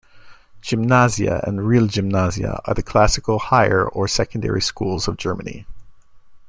Gymnasia and "Realgymnasia" are the classical higher or secondary schools of Germany.